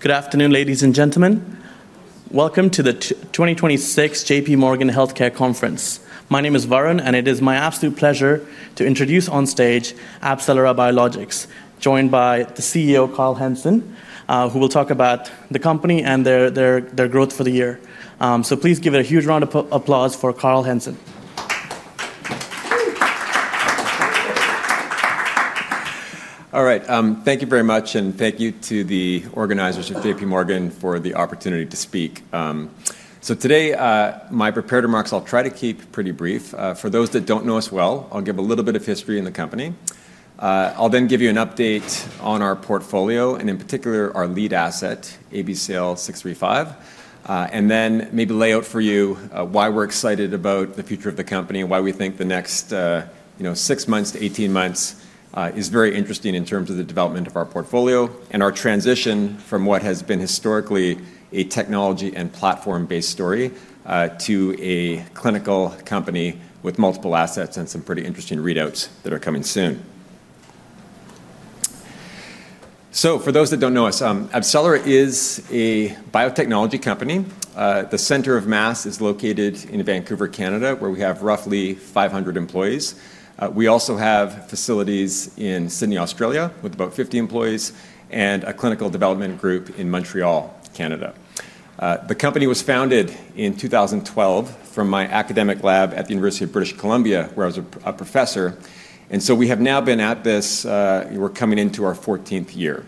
Good afternoon, ladies and gentlemen. Welcome to the 2025 JPMorgan Healthcare Conference. My name is Varun, and it is my absolute pleasure to introduce on stage AbCellera Biologics, joined by the CEO, Carl Hansen, who will talk about the company and their growth for the year. So please give it a huge round of applause for Carl Hansen. All right. Thank you very much, and thank you to the organizers of JPMorgan for the opportunity to speak. So today, my prepared remarks I'll try to keep pretty brief. For those that don't know us well, I'll give a little bit of history in the company. I'll then give you an update on our portfolio, and in particular, our lead asset, ABCL635. And then maybe lay out for you why we're excited about the future of the company, why we think the next six months to 18 months is very interesting in terms of the development of our portfolio and our transition from what has been historically a technology and platform-based story to a clinical company with multiple assets and some pretty interesting readouts that are coming soon. So for those that don't know us, AbCellera is a biotechnology company. The center of mass is located in Vancouver, Canada, where we have roughly 500 employees. We also have facilities in Sydney, Australia, with about 50 employees, and a clinical development group in Montreal, Canada. The company was founded in 2012 from my academic lab at the University of British Columbia, where I was a professor. And so we have now been at this we're coming into our 14th year.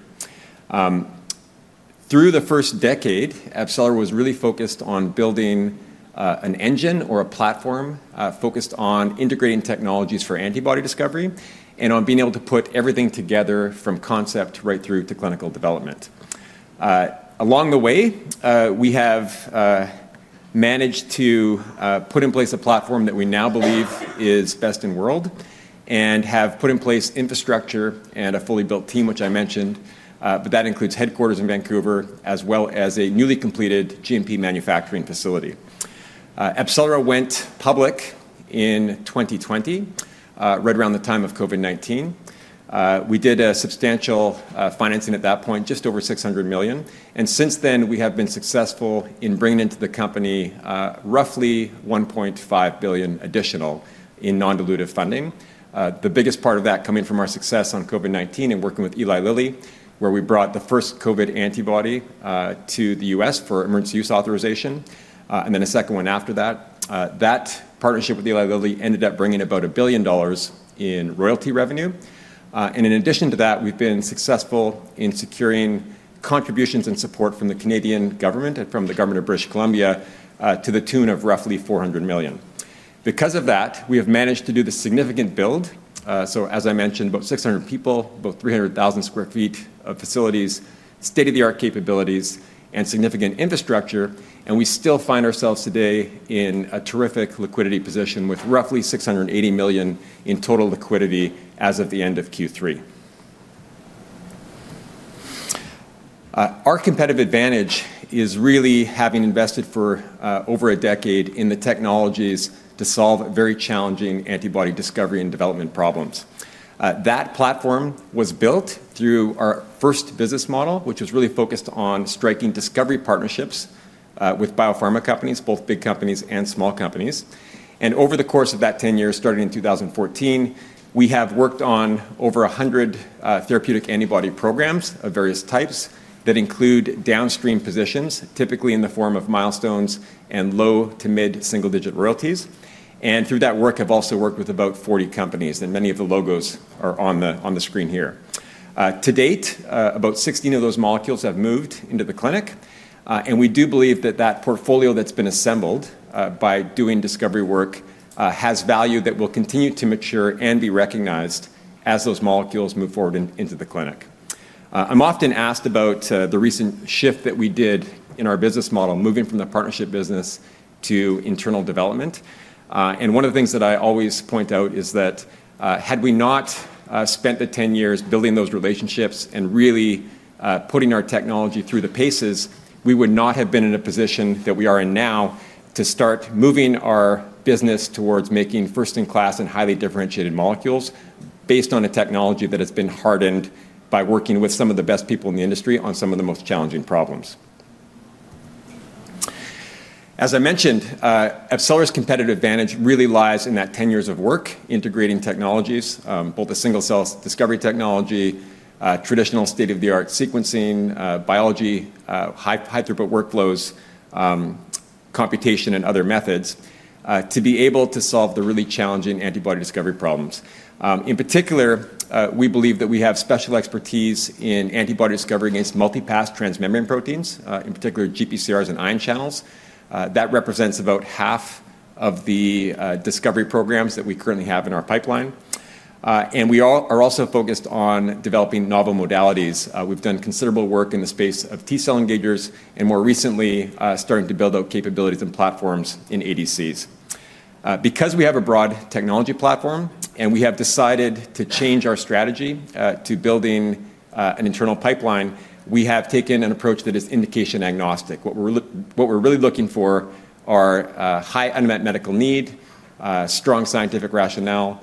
Through the first decade, AbCellera was really focused on building an engine or a platform focused on integrating technologies for antibody discovery and on being able to put everything together from concept right through to clinical development. Along the way, we have managed to put in place a platform that we now believe is best in the world and have put in place infrastructure and a fully built team, which I mentioned, but that includes headquarters in Vancouver, as well as a newly completed GMP manufacturing facility. AbCellera went public in 2020, right around the time of COVID-19. We did substantial financing at that point, just over $600 million. And since then, we have been successful in bringing into the company roughly $1.5 billion additional in non-dilutive funding. The biggest part of that coming from our success on COVID-19 and working with Eli Lilly, where we brought the first COVID antibody to the U.S. for emergency use authorization, and then a second one after that. That partnership with Eli Lilly ended up bringing about $1 billion in royalty revenue. In addition to that, we've been successful in securing contributions and support from the Government of Canada and from the Government of British Columbia to the tune of roughly $400 million. Because of that, we have managed to do this significant build. As I mentioned, about 600 people, about 300,000 sq ft of facilities, state-of-the-art capabilities, and significant infrastructure. We still find ourselves today in a terrific liquidity position with roughly $680 million in total liquidity as of the end of Q3. Our competitive advantage is really having invested for over a decade in the technologies to solve very challenging antibody discovery and development problems. That platform was built through our first business model, which was really focused on striking discovery partnerships with biopharma companies, both big companies and small companies. And over the course of that 10 years, starting in 2014, we have worked on over 100 therapeutic antibody programs of various types that include downstream positions, typically in the form of milestones and low to mid single-digit royalties. And through that work, I've also worked with about 40 companies, and many of the logos are on the screen here. To date, about 16 of those molecules have moved into the clinic. And we do believe that that portfolio that's been assembled by doing discovery work has value that will continue to mature and be recognized as those molecules move forward into the clinic. I'm often asked about the recent shift that we did in our business model, moving from the partnership business to internal development. One of the things that I always point out is that had we not spent the 10 years building those relationships and really putting our technology through the paces, we would not have been in a position that we are in now to start moving our business towards making first-in-class and highly differentiated molecules based on a technology that has been hardened by working with some of the best people in the industry on some of the most challenging problems. As I mentioned, AbCellera's competitive advantage really lies in that 10 years of work integrating technologies, both the single-cell discovery technology, traditional state-of-the-art sequencing, biology, high-throughput workflows, computation, and other methods to be able to solve the really challenging antibody discovery problems. In particular, we believe that we have special expertise in antibody discovery against multi-pass transmembrane proteins, in particular, GPCRs and ion channels. That represents about half of the discovery programs that we currently have in our pipeline. And we are also focused on developing novel modalities. We've done considerable work in the space of T-cell engagers and, more recently, starting to build out capabilities and platforms in ADCs. Because we have a broad technology platform and we have decided to change our strategy to building an internal pipeline, we have taken an approach that is indication agnostic. What we're really looking for are high unmet medical need, strong scientific rationale,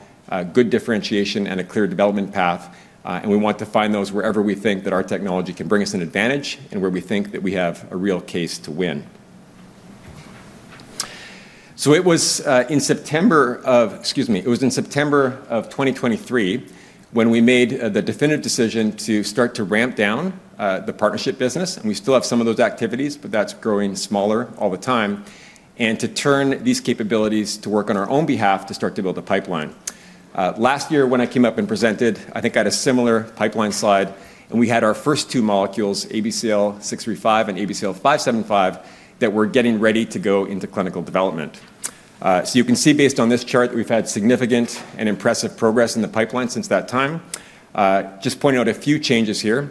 good differentiation, and a clear development path. And we want to find those wherever we think that our technology can bring us an advantage and where we think that we have a real case to win. So it was in September of 2023 when we made the definitive decision to start to ramp down the partnership business. And we still have some of those activities, but that's growing smaller all the time, and to turn these capabilities to work on our own behalf to start to build a pipeline. Last year, when I came up and presented, I think I had a similar pipeline slide, and we had our first two molecules, ABCL635 and ABCL575, that were getting ready to go into clinical development. So you can see, based on this chart, that we've had significant and impressive progress in the pipeline since that time. Just pointing out a few changes here.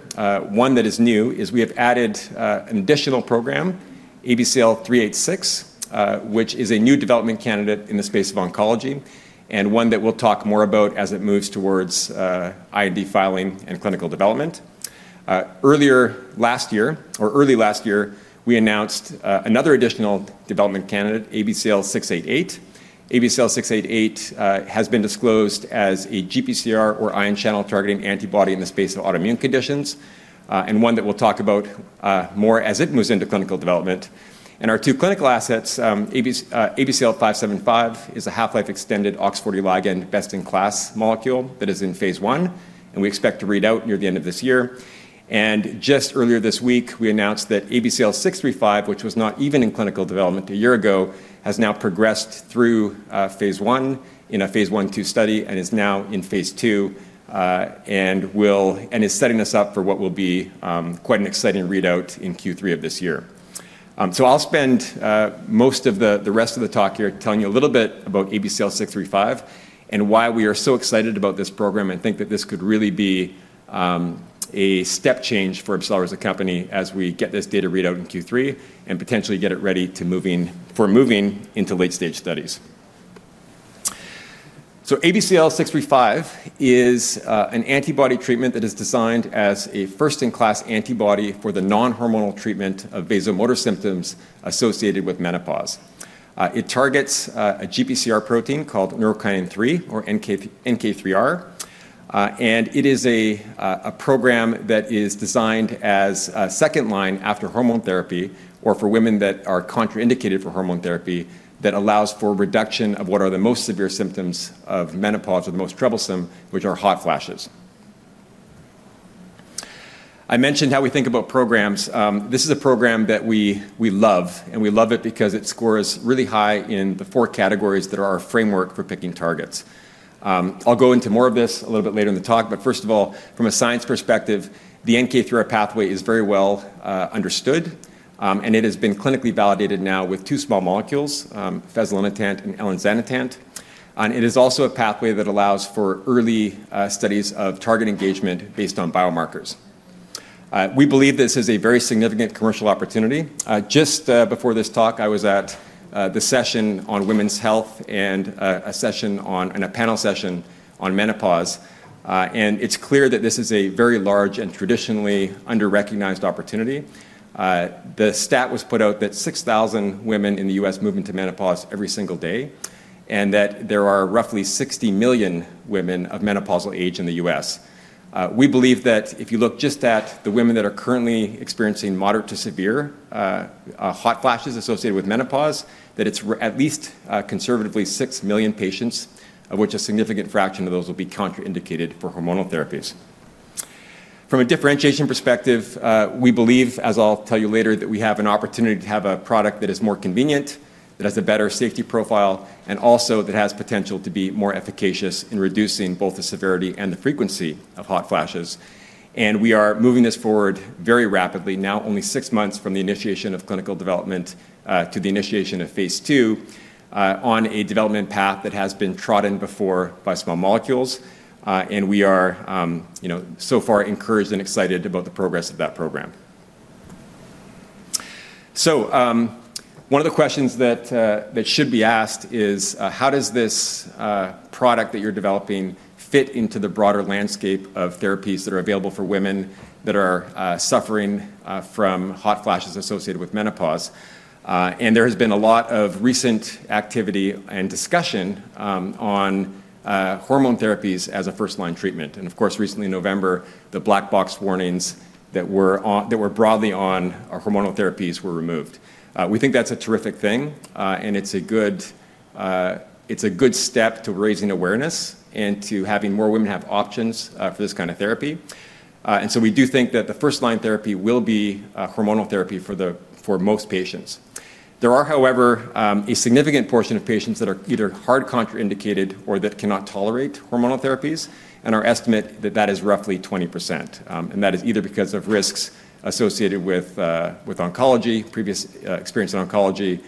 One that is new is we have added an additional program, ABCL386, which is a new development candidate in the space of oncology and one that we'll talk more about as it moves towards IND filing and clinical development. Earlier last year or early last year, we announced another additional development candidate, ABCL688. ABCL688 has been disclosed as a GPCR or ion channel targeting antibody in the space of autoimmune conditions, and one that we'll talk about more as it moves into clinical development, and our two clinical assets, ABCL575 is a half-life extended OX40 ligand best-in-class molecule that is in phase I, and we expect to read out near the end of this year. Just earlier this week, we announced that ABCL635, which was not even in clinical development a year ago, has now progressed through phase I in Phase I/II study and is now in phase II and is setting us up for what will be quite an exciting readout in Q3 of this year. I'll spend most of the rest of the talk here telling you a little bit about ABCL635 and why we are so excited about this program and think that this could really be a step change for AbCellera as a company as we get this data readout in Q3 and potentially get it ready for moving into late-stage studies. ABCL635 is an antibody treatment that is designed as a first-in-class antibody for the non-hormonal treatment of vasomotor symptoms associated with menopause. It targets a GPCR protein called neurokinin-3 or NK3R, and it is a program that is designed as a second line after hormone therapy or for women that are contraindicated for hormone therapy that allows for reduction of what are the most severe symptoms of menopause or the most troublesome, which are hot flashes. I mentioned how we think about programs. This is a program that we love, and we love it because it scores really high in the four categories that are our framework for picking targets. I'll go into more of this a little bit later in the talk, but first of all, from a science perspective, the NK3R pathway is very well understood, and it has been clinically validated now with two small molecules, fezolinetant and elinzanetant, and it is also a pathway that allows for early studies of target engagement based on biomarkers. We believe this is a very significant commercial opportunity. Just before this talk, I was at the session on women's health and a panel session on menopause, and it's clear that this is a very large and traditionally under-recognized opportunity. The stat was put out that 6,000 women in the U.S. move into menopause every single day and that there are roughly 60 million women of menopausal age in the U.S. We believe that if you look just at the women that are currently experiencing moderate to severe hot flashes associated with menopause, that it's at least conservatively 6 million patients, of which a significant fraction of those will be contraindicated for hormonal therapies. From a differentiation perspective, we believe, as I'll tell you later, that we have an opportunity to have a product that is more convenient, that has a better safety profile, and also that has potential to be more efficacious in reducing both the severity and the frequency of hot flashes. And we are moving this forward very rapidly, now only six months from the initiation of clinical development to the initiation of phase II on a development path that has been trodden before by small molecules. And we are so far encouraged and excited about the progress of that program. So one of the questions that should be asked is, how does this product that you're developing fit into the broader landscape of therapies that are available for women that are suffering from hot flashes associated with menopause? There has been a lot of recent activity and discussion on hormone therapies as a first-line treatment. Of course, recently, in November, the black box warnings that were broadly on hormonal therapies were removed. We think that's a terrific thing, and it's a good step to raising awareness and to having more women have options for this kind of therapy. We do think that the first-line therapy will be hormonal therapy for most patients. There are, however, a significant portion of patients that are either hard contraindicated or that cannot tolerate hormonal therapies, and our estimate that that is roughly 20%. That is either because of risks associated with oncology, previous experience in oncology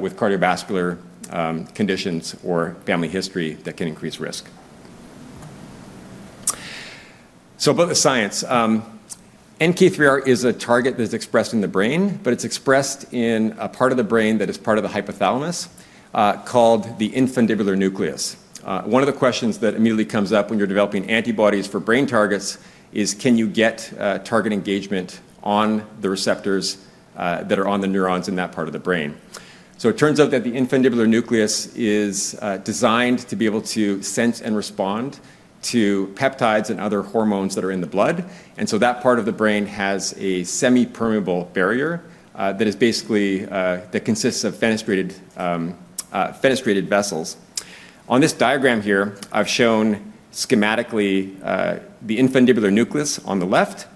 with cardiovascular conditions or family history that can increase risk. About the science, NK3R is a target that is expressed in the brain, but it's expressed in a part of the brain that is part of the hypothalamus called the infundibular nucleus. One of the questions that immediately comes up when you're developing antibodies for brain targets is, can you get target engagement on the receptors that are on the neurons in that part of the brain? It turns out that the infundibular nucleus is designed to be able to sense and respond to peptides and other hormones that are in the blood. That part of the brain has a semipermeable barrier that basically consists of fenestrated vessels. On this diagram here, I've shown schematically the infundibular nucleus on the left.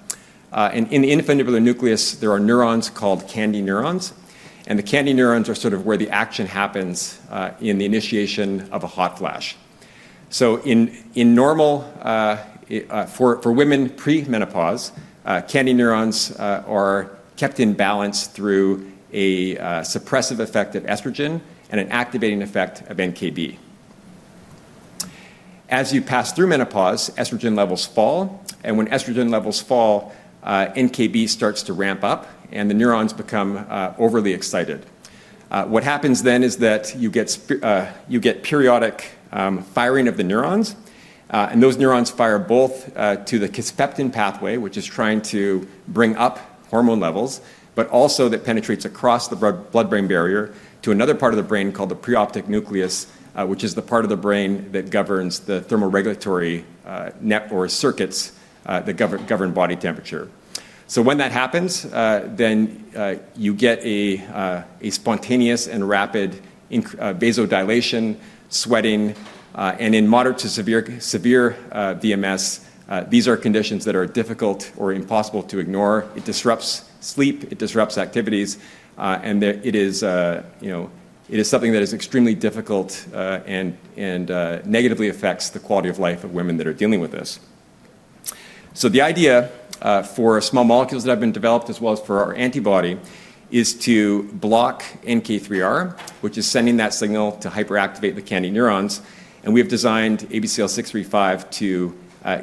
In the infundibular nucleus, there are neurons called KNDy neurons. The KNDy neurons are sort of where the action happens in the initiation of a hot flash. So, in normal women pre-menopause, KNDy neurons are kept in balance through a suppressive effect of estrogen and an activating effect of NKB. As you pass through menopause, estrogen levels fall. When estrogen levels fall, NKB starts to ramp up, and the neurons become overly excited. What happens then is that you get periodic firing of the neurons. Those neurons fire both to the kisspeptin pathway, which is trying to bring up hormone levels, but also that penetrates across the blood-brain barrier to another part of the brain called the preoptic nucleus, which is the part of the brain that governs the thermoregulatory net or circuits that govern body temperature. So when that happens, then you get a spontaneous and rapid vasodilation, sweating, and in moderate to severe VMS, these are conditions that are difficult or impossible to ignore. It disrupts sleep. It disrupts activities. And it is something that is extremely difficult and negatively affects the quality of life of women that are dealing with this. So the idea for small molecules that have been developed, as well as for our antibody, is to block NK3R, which is sending that signal to hyperactivate the KNDy neurons. And we have designed ABCL635 to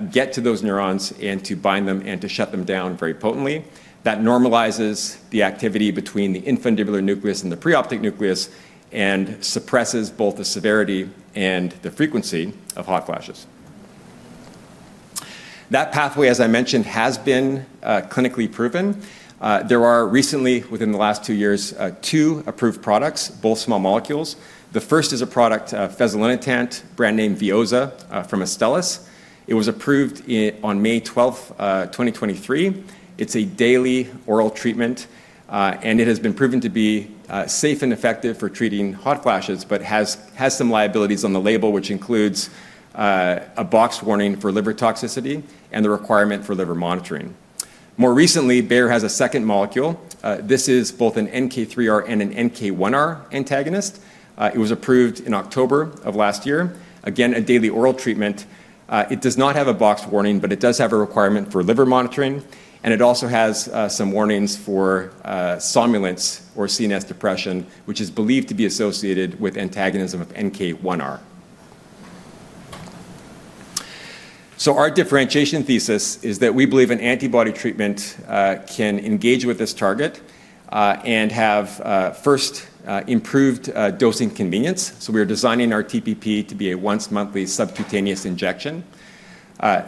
get to those neurons and to bind them and to shut them down very potently. That normalizes the activity between the infundibular nucleus and the preoptic nucleus and suppresses both the severity and the frequency of hot flashes. That pathway, as I mentioned, has been clinically proven. There are recently, within the last two years, two approved products, both small molecules. The first is a product, fezolinetant, brand name Veozah from Astellas. It was approved on May 12th, 2023. It's a daily oral treatment, and it has been proven to be safe and effective for treating hot flashes, but has some liabilities on the label, which includes a black box warning for liver toxicity and the requirement for liver monitoring. More recently, Bayer has a second molecule. This is both an NK3R and an NK1R antagonist. It was approved in October of last year. Again, a daily oral treatment. It does not have a black box warning, but it does have a requirement for liver monitoring. And it also has some warnings for somnolence or CNS depression, which is believed to be associated with antagonism of NK1R. Our differentiation thesis is that we believe an antibody treatment can engage with this target and have first improved dosing convenience. We are designing our TPP to be a once-monthly subcutaneous injection.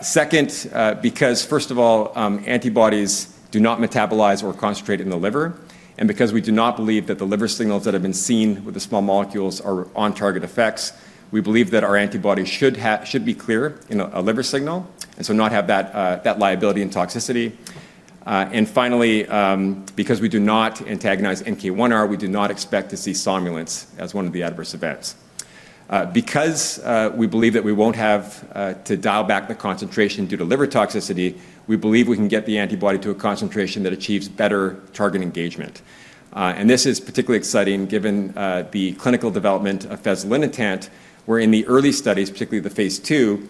Second, because, first of all, antibodies do not metabolize or concentrate in the liver. Because we do not believe that the liver signals that have been seen with the small molecules are on-target effects, we believe that our antibody should be clear in a liver signal and so not have that liability and toxicity. Finally, because we do not antagonize NK1R, we do not expect to see somnolence as one of the adverse events. Because we believe that we won't have to dial back the concentration due to liver toxicity, we believe we can get the antibody to a concentration that achieves better target engagement. This is particularly exciting given the clinical development of fezolinetant, where in the early studies, particularly the phase II,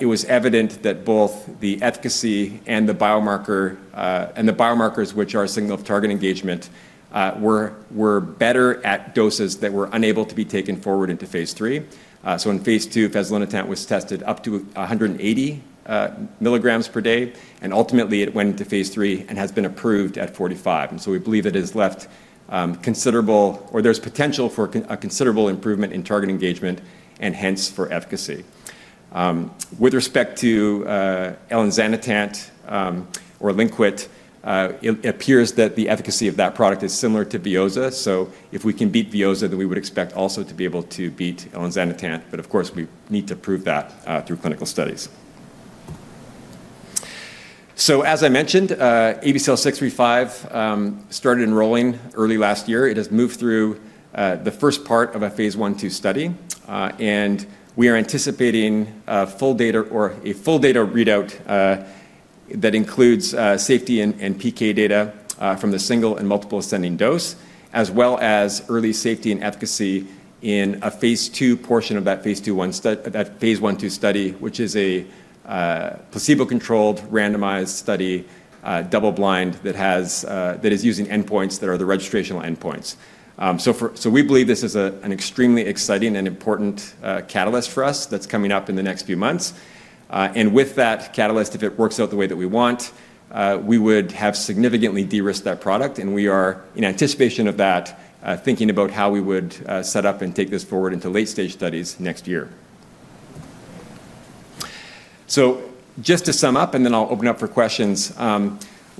it was evident that both the efficacy and the biomarkers, which are a signal of target engagement, were better at doses that were unable to be taken forward into phase III. So in phase II, fezolinetant was tested up to 180 mg per day. And ultimately, it went into phase III and has been approved at 45. And so we believe it has left considerable or there's potential for a considerable improvement in target engagement and hence for efficacy. With respect to elinzanetant or Linquit, it appears that the efficacy of that product is similar to Veozah. So if we can beat Veozah, then we would expect also to be able to beat elinzanetant. But of course, we need to prove that through clinical studies. As I mentioned, ABCL635 started enrolling early last year. It has moved through the first part of Phase I/II study. We are anticipating a full data or a full data readout that includes safety and PK data from the single and multiple ascending dose, as well as early safety and efficacy in a phase II portion of Phase I/II study, which is a placebo-controlled randomized study, double-blind, that is using endpoints that are the registrational endpoints. We believe this is an extremely exciting and important catalyst for us that's coming up in the next few months. With that catalyst, if it works out the way that we want, we would have significantly de-risked that product. We are, in anticipation of that, thinking about how we would set up and take this forward into late-stage studies next year. So just to sum up, and then I'll open up for questions.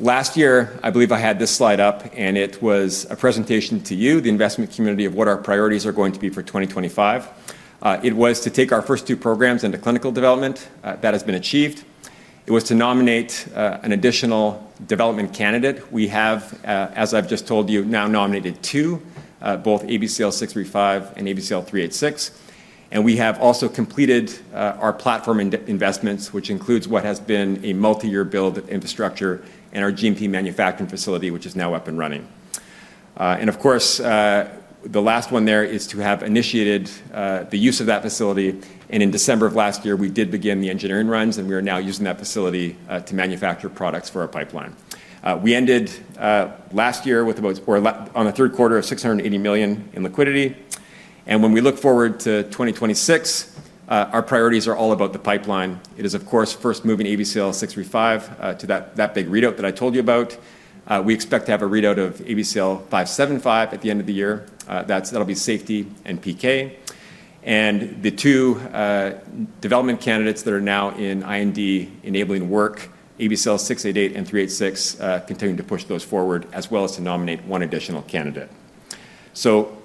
Last year, I believe I had this slide up, and it was a presentation to you, the investment community of what our priorities are going to be for 2025. It was to take our first two programs into clinical development. That has been achieved. It was to nominate an additional development candidate. We have, as I've just told you, now nominated two, both ABCL635 and ABCL386. And we have also completed our platform investments, which includes what has been a multi-year build at infrastructure and our GMP manufacturing facility, which is now up and running. And of course, the last one there is to have initiated the use of that facility. And in December of last year, we did begin the engineering runs, and we are now using that facility to manufacture products for our pipeline. We ended last year with about or on the third quarter of $680 million in liquidity. And when we look forward to 2026, our priorities are all about the pipeline. It is, of course, first moving ABCL635 to that big readout that I told you about. We expect to have a readout of ABCL575 at the end of the year. That'll be safety and PK. And the two development candidates that are now in IND enabling work, ABCL688 and ABCL386, continue to push those forward, as well as to nominate one additional candidate. So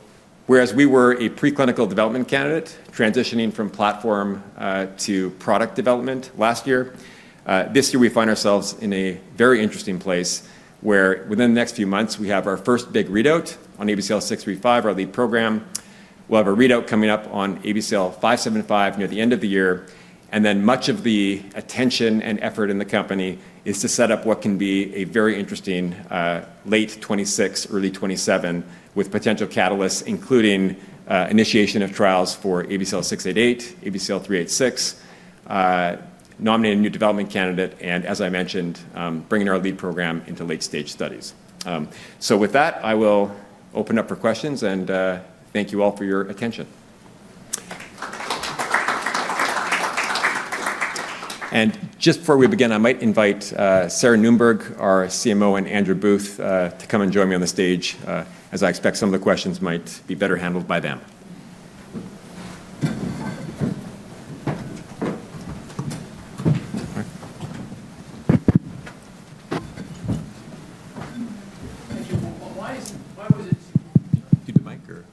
whereas we were a pre-clinical development candidate, transitioning from platform to product development last year, this year we find ourselves in a very interesting place where within the next few months, we have our first big readout on ABCL635, our lead program. We'll have a readout coming up on ABCL575 near the end of the year. And then much of the attention and effort in the company is to set up what can be a very interesting late 2026, early 2027 with potential catalysts, including initiation of trials for ABCL688, ABCL386, nominating a new development candidate, and as I mentioned, bringing our lead program into late-stage studies. So with that, I will open up for questions, and thank you all for your attention. And just before we begin, I might invite Sarah Noonberg, our CMO, and Andrew Booth to come and join me on the stage, as I expect some of the questions might be better handled by them. Why was it? Do you need a mic or?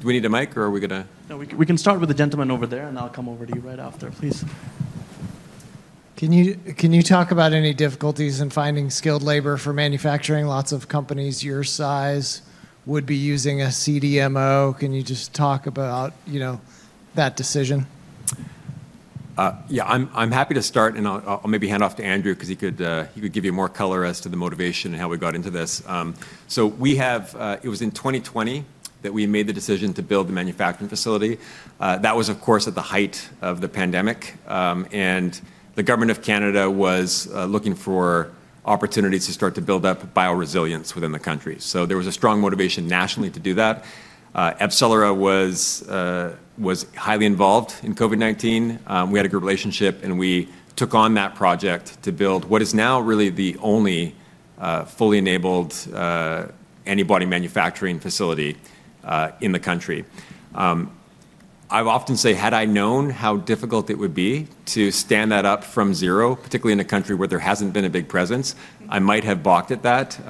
Do we need a mic or are we going to? No, we can start with the gentleman over there, and I'll come over to you right after, please. Can you talk about any difficulties in finding skilled labor for manufacturing? Lots of companies your size would be using a CDMO. Can you just talk about that decision? Yeah, I'm happy to start, and I'll maybe hand off to Andrew because he could give you more color as to the motivation and how we got into this, so it was in 2020 that we made the decision to build the manufacturing facility. That was, of course, at the height of the pandemic, and the Government of Canada was looking for opportunities to start to build up bioresilience within the country, so there was a strong motivation nationally to do that. AbCellera was highly involved in COVID-19. We had a good relationship, and we took on that project to build what is now really the only fully enabled antibody manufacturing facility in the country. I often say, had I known how difficult it would be to stand that up from zero, particularly in a country where there hasn't been a big presence, I might have balked at that.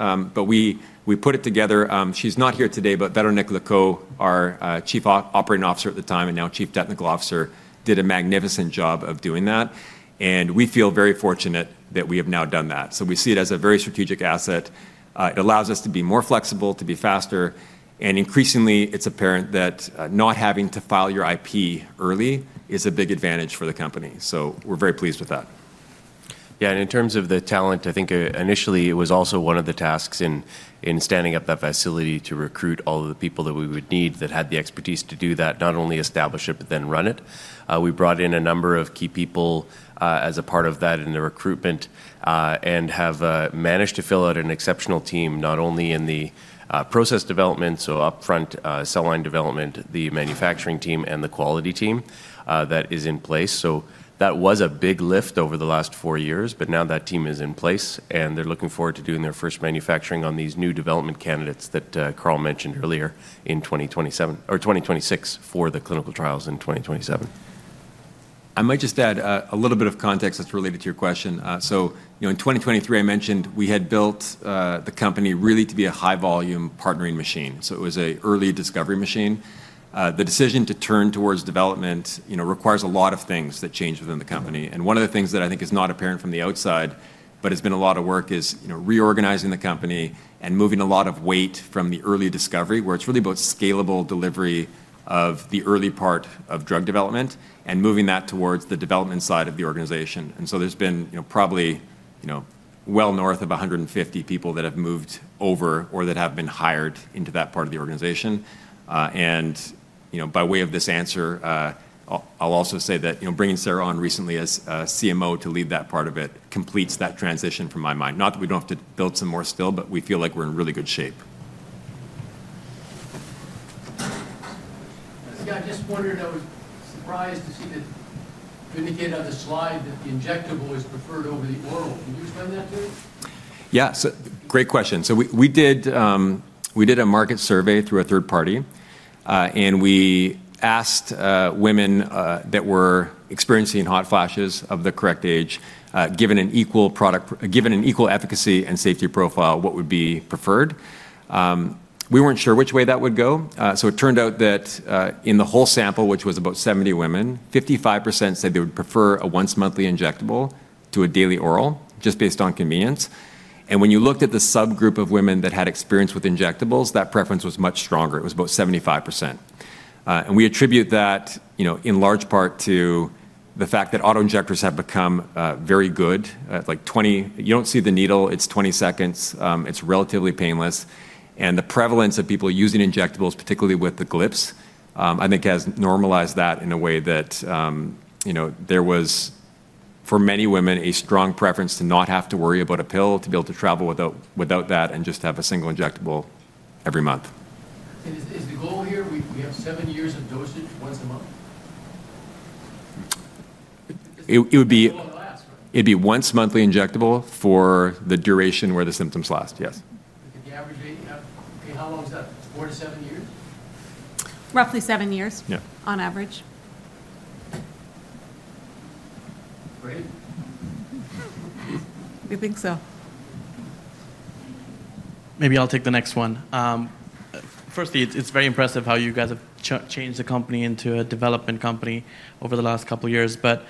We put it together. She's not here today, but Véronique Lecault, our Chief Operating Officer at the time and now Chief Technical Officer, did a magnificent job of doing that. We feel very fortunate that we have now done that. We see it as a very strategic asset. It allows us to be more flexible, to be faster. Increasingly, it's apparent that not having to file your IP early is a big advantage for the company. We're very pleased with that. Yeah, and in terms of the talent, I think initially it was also one of the tasks in standing up that facility to recruit all of the people that we would need that had the expertise to do that, not only establish it, but then run it. We brought in a number of key people as a part of that in the recruitment and have managed to fill out an exceptional team, not only in the process development, so upfront cell line development, the manufacturing team, and the quality team that is in place. So that was a big lift over the last four years, but now that team is in place, and they're looking forward to doing their first manufacturing on these new development candidates that Carl mentioned earlier in 2027 or 2026 for the clinical trials in 2027. I might just add a little bit of context that's related to your question. So in 2023, I mentioned we had built the company really to be a high-volume partnering machine. So it was an early discovery machine. The decision to turn towards development requires a lot of things that change within the company. And one of the things that I think is not apparent from the outside, but has been a lot of work, is reorganizing the company and moving a lot of weight from the early discovery, where it's really about scalable delivery of the early part of drug development and moving that towards the development side of the organization. And so there's been probably well north of 150 people that have moved over or that have been hired into that part of the organization. And by way of this answer, I'll also say that bringing Sarah on recently as CMO to lead that part of it completes that transition from my mind. Not that we don't have to build some more still, but we feel like we're in really good shape. Yeah, I just wondered, I was surprised to see that you indicated on the slide that the injectable is preferred over the oral. Can you explain that to me? Yeah, so great question. So we did a market survey through a third party, and we asked women that were experiencing hot flashes of the correct age, given an equal efficacy and safety profile, what would be preferred. We weren't sure which way that would go. So it turned out that in the whole sample, which was about 70 women, 55% said they would prefer a once-monthly injectable to a daily oral, just based on convenience. And when you looked at the subgroup of women that had experience with injectables, that preference was much stronger. It was about 75%. And we attribute that in large part to the fact that autoinjectors have become very good. You don't see the needle. It's 20 seconds. It's relatively painless. The prevalence of people using injectables, particularly with the GLPs, I think has normalized that in a way that there was, for many women, a strong preference to not have to worry about a pill, to be able to travel without that and just have a single injectable every month. Is the goal here we have seven years of dosage once a month? It would be once monthly injectable for the duration where the symptoms last, yes. Okay, how long is that? Four to seven years? Roughly seven years on average. Great. I think so. Maybe I'll take the next one. Firstly, it's very impressive how you guys have changed the company into a development company over the last couple of years, but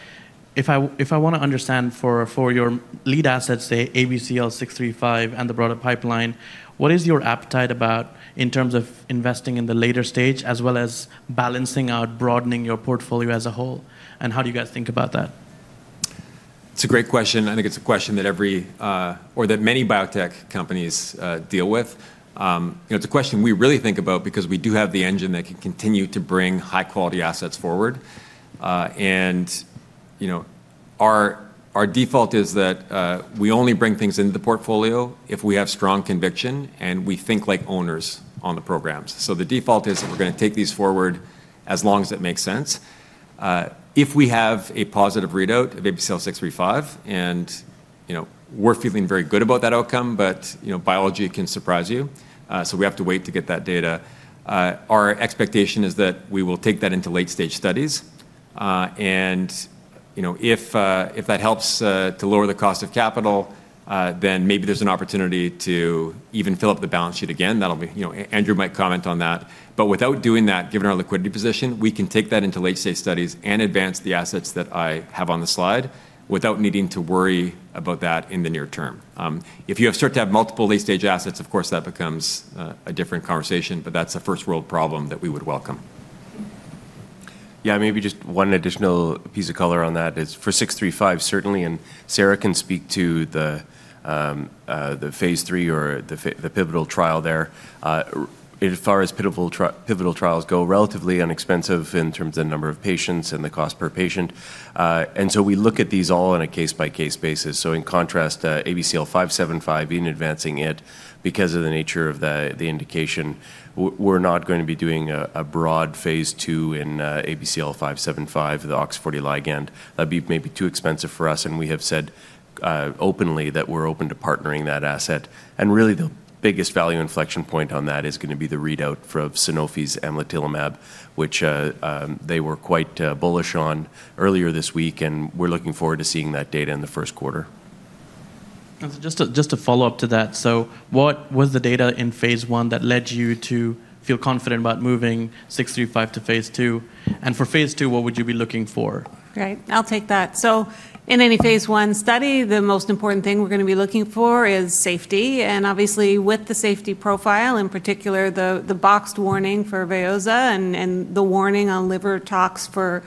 if I want to understand for your lead assets, say, ABCL635 and the broader pipeline, what is your appetite about in terms of investing in the later stage as well as balancing out, broadening your portfolio as a whole, and how do you guys think about that? It's a great question. I think it's a question that every or that many biotech companies deal with. It's a question we really think about because we do have the engine that can continue to bring high-quality assets forward. And our default is that we only bring things into the portfolio if we have strong conviction and we think like owners on the programs. So the default is that we're going to take these forward as long as it makes sense. If we have a positive readout of ABCL635 and we're feeling very good about that outcome, but biology can surprise you, so we have to wait to get that data. Our expectation is that we will take that into late-stage studies. And if that helps to lower the cost of capital, then maybe there's an opportunity to even fill up the balance sheet again. Andrew might comment on that. But without doing that, given our liquidity position, we can take that into late-stage studies and advance the assets that I have on the slide without needing to worry about that in the near term. If you start to have multiple late-stage assets, of course, that becomes a different conversation, but that's a first-world problem that we would welcome. Yeah, maybe just one additional piece of color on that is for 635, certainly, and Sarah can speak to the phase III or the pivotal trial there. As far as pivotal trials go, relatively inexpensive in terms of the number of patients and the cost per patient. And so we look at these all on a case-by-case basis. So in contrast to ABCL575, even advancing it, because of the nature of the indication, we're not going to be doing a broad phase II in ABCL575, the OX40 ligand. That'd be maybe too expensive for us, and we have said openly that we're open to partnering that asset. And really, the biggest value inflection point on that is going to be the readout of Sanofi's amlitelimab, which they were quite bullish on earlier this week, and we're looking forward to seeing that data in the first quarter. Just a follow-up to that. So what was the data in phase I that led you to feel confident about moving 635 to phase II? And for phase II, what would you be looking for? Right, I'll take that. In any phase I study, the most important thing we're going to be looking for is safety. Obviously, with the safety profile, in particular, the black box warning for Veozah and the warning on liver tox for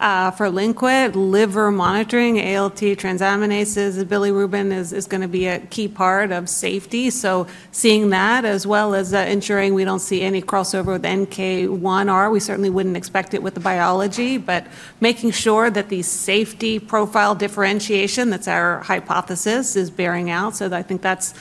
Linquit, liver monitoring, ALT transaminases, and bilirubin is going to be a key part of safety. Seeing that, as well as ensuring we don't see any crossover with NK1R, we certainly wouldn't expect it with the biology, but making sure that the safety profile differentiation, that's our hypothesis, is bearing out. I think that's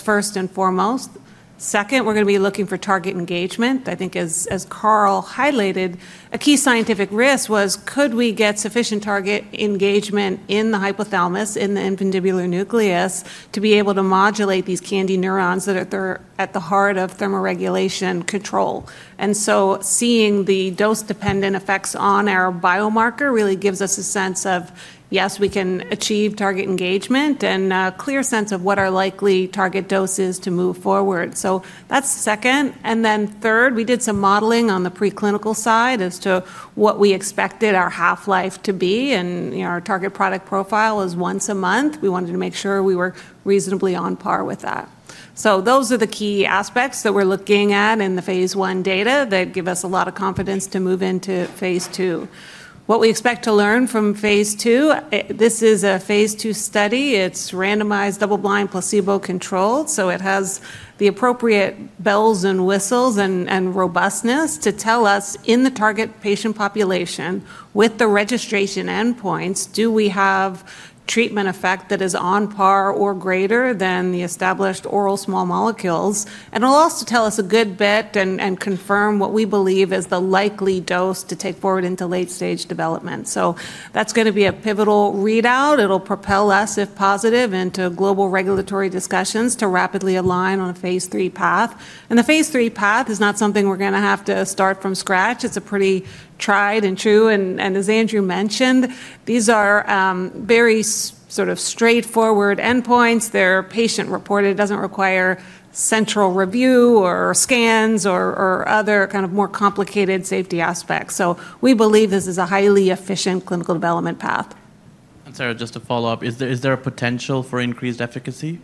first and foremost. Second, we're going to be looking for target engagement. I think as Carl highlighted, a key scientific risk was, could we get sufficient target engagement in the hypothalamus, in the infundibular nucleus, to be able to modulate these KNDy neurons that are at the heart of thermoregulation control? And so seeing the dose-dependent effects on our biomarker really gives us a sense of, yes, we can achieve target engagement and a clear sense of what our likely target dose is to move forward. So that's second. And then third, we did some modeling on the preclinical side as to what we expected our half-life to be. And our target product profile is once a month. We wanted to make sure we were reasonably on par with that. So those are the key aspects that we're looking at in the phase I data that give us a lot of confidence to move into phase II. What we expect to learn from phase II: this is a phase II study. It's randomized, double-blind, placebo-controlled. So it has the appropriate bells and whistles and robustness to tell us in the target patient population with the registration endpoints, do we have treatment effect that is on par or greater than the established oral small molecules? And it'll also tell us a good bit and confirm what we believe is the likely dose to take forward into late-stage development. So that's going to be a pivotal readout. It'll propel us, if positive, into global regulatory discussions to rapidly align on a phase III path. And the phase III path is not something we're going to have to start from scratch. It's a pretty tried and true. And as Andrew mentioned, these are very sort of straightforward endpoints. They're patient-reported. It doesn't require central review or scans or other kind of more complicated safety aspects. So we believe this is a highly efficient clinical development path. Sarah, just to follow up, is there a potential for increased efficacy?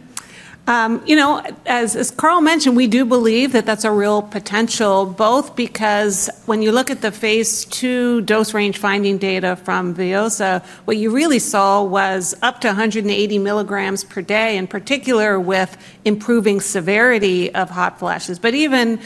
You know, as Carl mentioned, we do believe that that's a real potential, both because when you look at the phase II dose range finding data from Veozah, what you really saw was up to 180 mg per day, in particular with improving severity of hot flashes, but even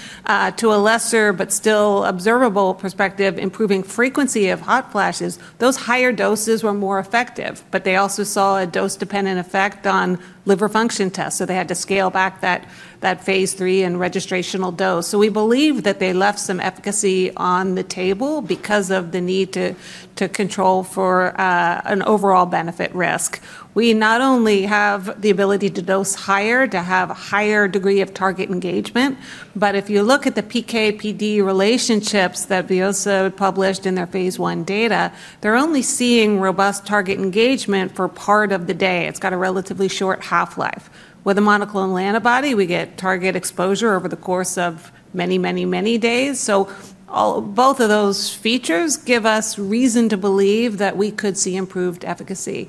to a lesser, but still observable perspective, improving frequency of hot flashes, those higher doses were more effective, but they also saw a dose-dependent effect on liver function tests, so they had to scale back that phase III and registrational dose. So we believe that they left some efficacy on the table because of the need to control for an overall benefit risk. We not only have the ability to dose higher, to have a higher degree of target engagement, but if you look at the PK/PD relationships that Veozah published in their phase I data, they're only seeing robust target engagement for part of the day. It's got a relatively short half-life. With a monoclonal antibody, we get target exposure over the course of many, many, many days. So both of those features give us reason to believe that we could see improved efficacy.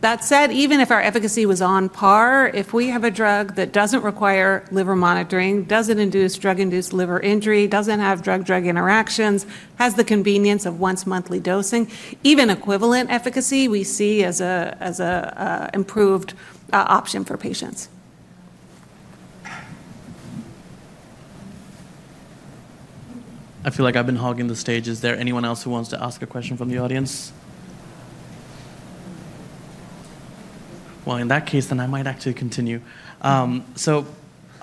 That said, even if our efficacy was on par, if we have a drug that doesn't require liver monitoring, doesn't induce drug-induced liver injury, doesn't have drug-drug interactions, has the convenience of once-monthly dosing, even equivalent efficacy, we see as an improved option for patients. I feel like I've been hogging the stages. Is there anyone else who wants to ask a question from the audience? Well, in that case, then I might actually continue. So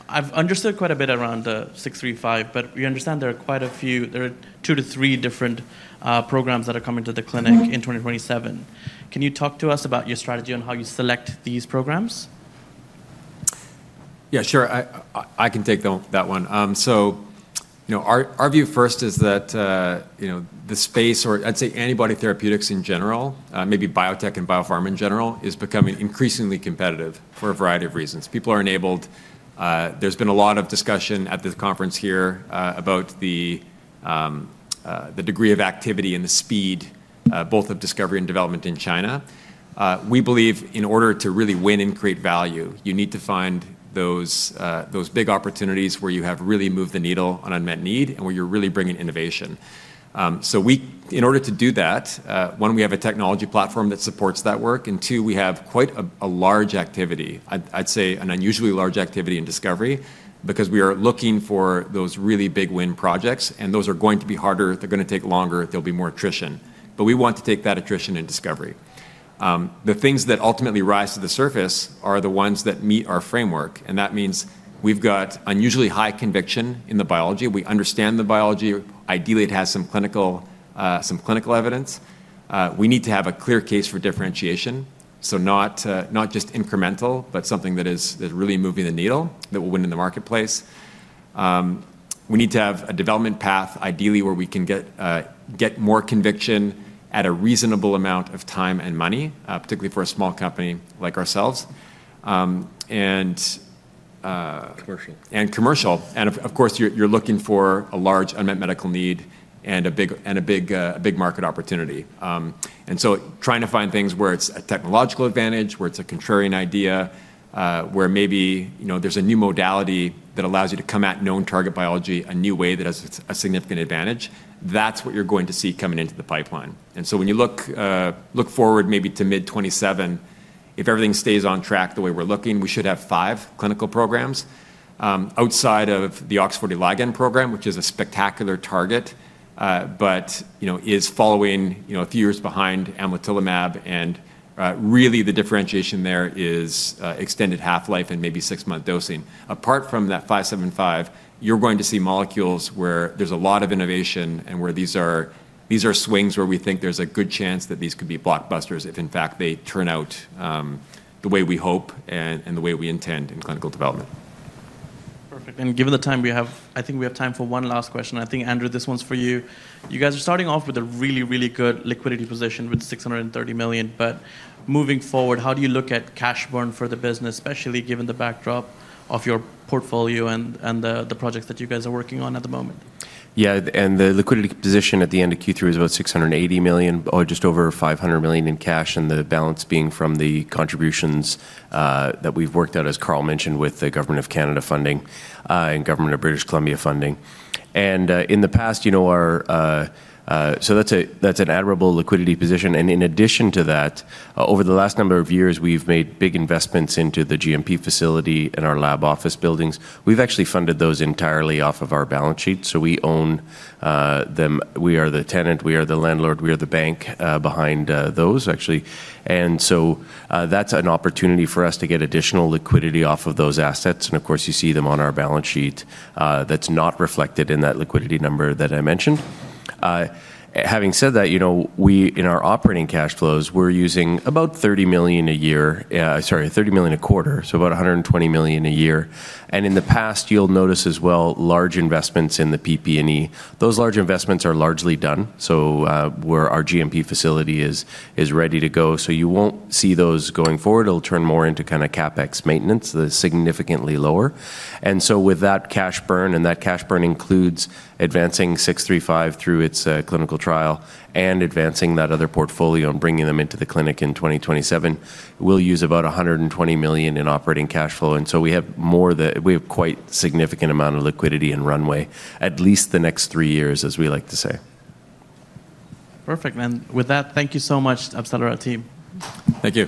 I've understood quite a bit around the 635, but we understand there are quite a few, there are two to three different programs that are coming to the clinic in 2027. Can you talk to us about your strategy on how you select these programs? Yeah, sure. I can take that one. So our view first is that the space, or I'd say antibody therapeutics in general, maybe biotech and biopharma in general, is becoming increasingly competitive for a variety of reasons. People are enabled. There's been a lot of discussion at this conference here about the degree of activity and the speed, both of discovery and development in China. We believe in order to really win and create value, you need to find those big opportunities where you have really moved the needle on unmet need and where you're really bringing innovation. So in order to do that, one, we have a technology platform that supports that work, and two, we have quite a large activity, I'd say an unusually large activity in discovery because we are looking for those really big win projects, and those are going to be harder. They're going to take longer. There'll be more attrition. But we want to take that attrition in discovery. The things that ultimately rise to the surface are the ones that meet our framework. And that means we've got unusually high conviction in the biology. We understand the biology. Ideally, it has some clinical evidence. We need to have a clear case for differentiation, so not just incremental, but something that is really moving the needle that will win in the marketplace. We need to have a development path, ideally, where we can get more conviction at a reasonable amount of time and money, particularly for a small company like ourselves. Commercial. Commercial. Of course, you're looking for a large unmet medical need and a big market opportunity. So trying to find things where it's a technological advantage, where it's a contrarian idea, where maybe there's a new modality that allows you to come at known target biology a new way that has a significant advantage, that's what you're going to see coming into the pipeline. When you look forward maybe to mid-2027, if everything stays on track the way we're looking, we should have five clinical programs outside of the OX40 ligand program, which is a spectacular target, but is following a few years behind Amlitelimab. Really, the differentiation there is extended half-life and maybe six-month dosing. Apart from that 575, you're going to see molecules where there's a lot of innovation and where these are swings where we think there's a good chance that these could be blockbusters if, in fact, they turn out the way we hope and the way we intend in clinical development. Perfect. And given the time we have, I think we have time for one last question. I think, Andrew, this one's for you. You guys are starting off with a really, really good liquidity position with $630 million. But moving forward, how do you look at cash burn for the business, especially given the backdrop of your portfolio and the projects that you guys are working on at the moment? Yeah. And the liquidity position at the end of Q3 is about $680 million, just over $500 million in cash, and the balance being from the contributions that we've worked out, as Carl mentioned, with the Government of Canada funding and Government of British Columbia funding. In the past, that's an admirable liquidity position. And in addition to that, over the last number of years, we've made big investments into the GMP facility and our lab office buildings. We've actually funded those entirely off of our balance sheet. So we own them. We are the tenant. We are the landlord. We are the bank behind those, actually. And so that's an opportunity for us to get additional liquidity off of those assets. And of course, you see them on our balance sheet. That's not reflected in that liquidity number that I mentioned. Having said that, in our operating cash flows, we're using about $30 million a year, sorry, $30 million a quarter, so about $120 million a year, and in the past, you'll notice as well, large investments in the PP&E. Those large investments are largely done, so our GMP facility is ready to go, and you won't see those going forward. It'll turn more into kind of CapEx maintenance. They're significantly lower, and so with that cash burn and that cash burn includes advancing 635 through its clinical trial and advancing that other portfolio and bringing them into the clinic in 2027, we'll use about $120 million in operating cash flow, and so we have more than we have quite a significant amount of liquidity and runway, at least the next three years, as we like to say. Perfect. And with that, thank you so much, AbCellera team. Thank you.